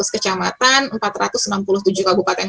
kecamatan empat ratus enam puluh tujuh kabupaten